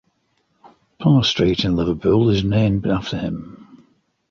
Parr Street in Liverpool is named after him.